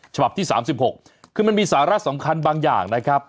ฉบับที่๓๖คือมันมีสาระสำคัญบางอย่างนะครับ